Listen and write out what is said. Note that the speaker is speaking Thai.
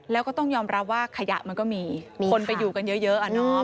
แล้วก็ต้องยอมรับว่าขยะมันก็มีคนไปอยู่กันเยอะอะเนาะ